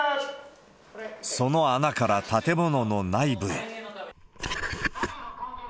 その穴から建物の内部へ。